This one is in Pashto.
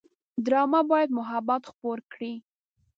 ډرامه باید محبت خپور کړي